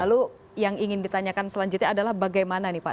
lalu yang ingin ditanyakan selanjutnya adalah bagaimana nih pak